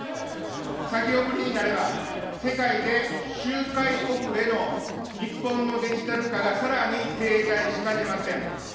先送りになれば、世界で周回遅れの日本のデジタル化がさらに停滞しかねません。